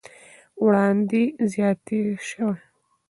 وړاندې زياته شوې